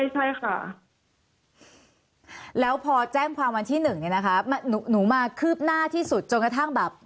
ใช่ค่ะแล้วพอแจ้งความวันที่หนึ่งเนี่ยนะคะหนูมาคืบหน้าที่สุดจนกระทั่งแบบ